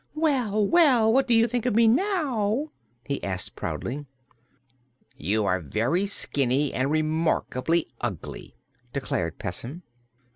"Well, well! What do you think of me now?" he asked proudly. "You are very skinny and remarkably ugly," declared Pessim.